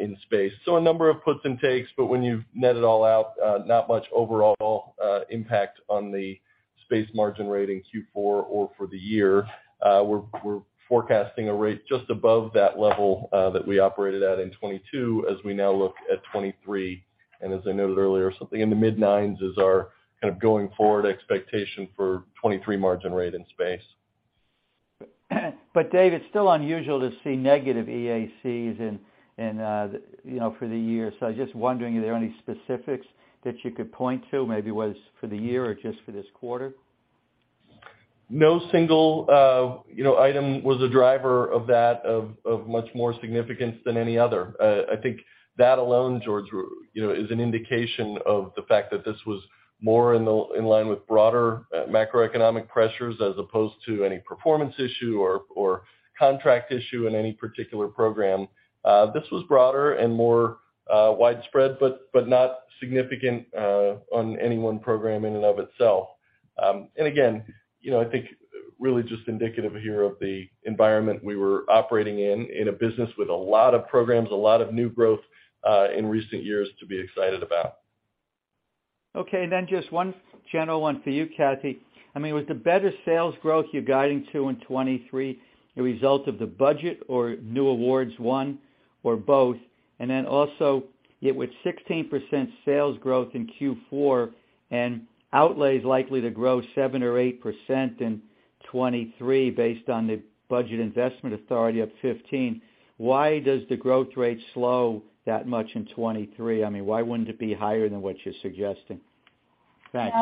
in Space. A number of puts and takes, but when you net it all out, not much overall impact on the space margin rate in Q4 or for the year. We're forecasting a rate just above that level that we operated at in 2022 as we now look at 2023. As I noted earlier, something in the mid-9s is our kind of going forward expectation for 2023 margin rate in space.
Dave, it's still unusual to see negative EACs in, you know, for the year. I'm just wondering, are there any specifics that you could point to, maybe was for the year or just for this quarter?
No single, you know, item was a driver of that of much more significance than any other. I think that alone, George, you know, is an indication of the fact that this was more in the, in line with broader macroeconomic pressures as opposed to any performance issue or contract issue in any particular program. This was broader and more widespread, but not significant on any one program in and of itself. Again, you know, I think really just indicative here of the environment we were operating in a business with a lot of programs, a lot of new growth in recent years to be excited about.
Okay, just one general one for you, Kathy. I mean, with the better sales growth you're guiding to in 2023, a result of the budget or new awards won or both? Also, yet with 16% sales growth in Q4 and outlays likely to grow 7% or 8% in 2023 based on the budget investment authority of 15, why does the growth rate slow that much in 2023? I mean, why wouldn't it be higher than what you're suggesting? Thanks.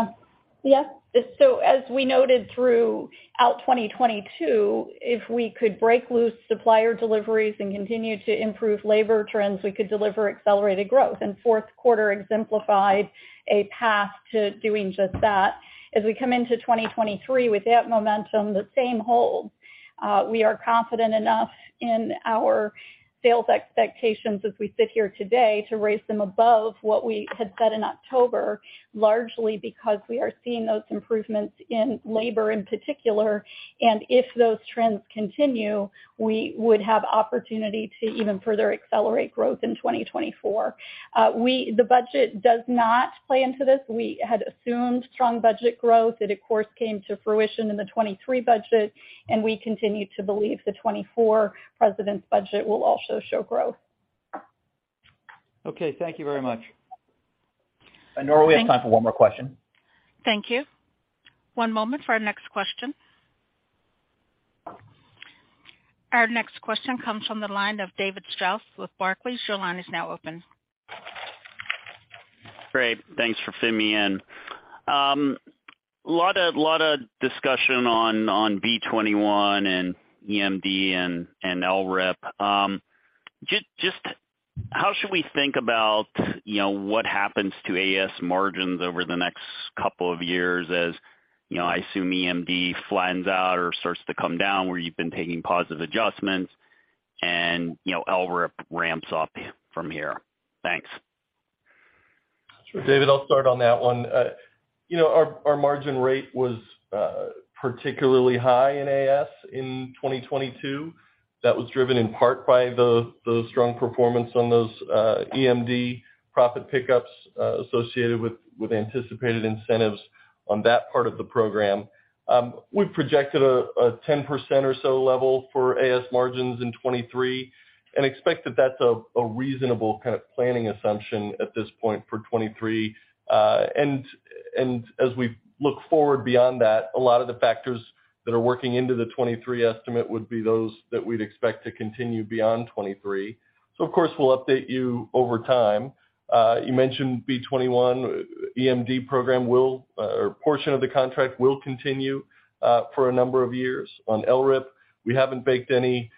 Yeah. As we noted throughout 2022, if we could break loose supplier deliveries and continue to improve labor trends, we could deliver accelerated growth. Fourth quarter exemplified a path to doing just that. As we come into 2023 with that momentum, the same holds. We are confident enough in our sales expectations as we sit here today to raise them above what we had said in October, largely because we are seeing those improvements in labor in particular. If those trends continue, we would have opportunity to even further accelerate growth in 2024. The budget does not play into this. We had assumed strong budget growth. It of course came to fruition in the 2023 budget, and we continue to believe the 2024 president's budget will also show growth.
Okay. Thank you very much.
Operator, we have time for one more question.
Thank you. One moment for our next question. Our next question comes from the line of David Strauss with Barclays. Your line is now open.
Great. Thanks for fitting me in. lot of discussion on B-21 and EMD and LRIP. just how should we think about, you know, what happens to AS margins over the next couple of years as, you know, I assume EMD flattens out or starts to come down where you've been taking positive adjustments and, you know, LRIP ramps up from here. Thanks.
Sure, David, I'll start on that one. you know, our margin rate was particularly high in AS in 2022. That was driven in part by the strong performance on those EMD profit pickups associated with anticipated incentives on that part of the program. We've projected a 10% or so level for AS margins in 2023 and expect that that's a reasonable kind of planning assumption at this point for 2023. And as we look forward beyond that, a lot of the factors that are working into the 2023 estimate would be those that we'd expect to continue beyond 2023. Of course, we'll update you over time. You mentioned B-21 EMD program will or portion of the contract will continue for a number of years. On LRIP, we haven't baked any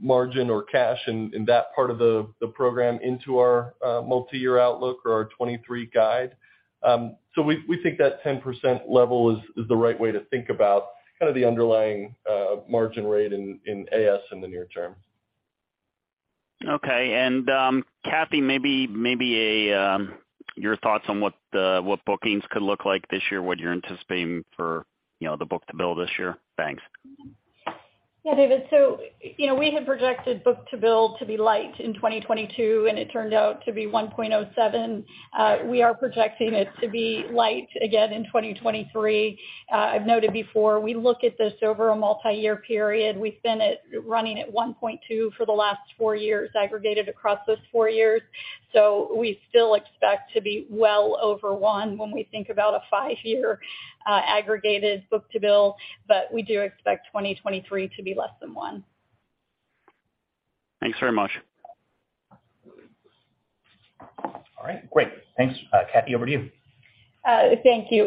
margin or cash in that part of the program into our multi-year outlook or our 23 guide. We think that 10% level is the right way to think about kind of the underlying margin rate in AS in the near term.
Okay. Kathy, maybe a, your thoughts on what the, what bookings could look like this year, what you're anticipating for, you know, the book-to-bill this year? Thanks.
David. You know, we had projected book-to-bill to be light in 2022, and it turned out to be 1.07. We are projecting it to be light again in 2023. I've noted before, we look at this over a multi-year period. Running at 1.2 for the last four years, aggregated across those 4 years. We still expect to be well over 1 when we think about a five-year aggregated book-to-bill, but we do expect 2023 to be less than one.
Thanks very much.
All right. Great. Thanks. Kathy, over to you.
Thank you.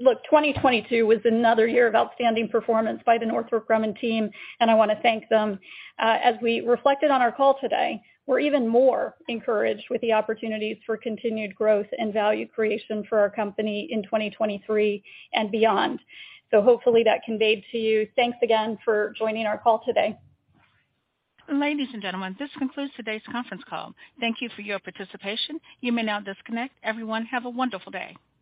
Look, 2022 was another year of outstanding performance by the Northrop Grumman team, and I wanna thank them. As we reflected on our call today, we're even more encouraged with the opportunities for continued growth and value creation for our company in 2023 and beyond. Hopefully that conveyed to you. Thanks again for joining our call today.
Ladies and gentlemen, this concludes today's conference call. Thank you for your participation. You may now disconnect. Everyone, have a wonderful day.